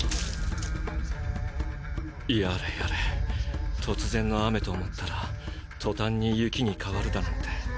やれやれ突然の雨と思ったら途端に雪に変わるだなんて。